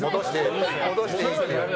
戻していいっていう。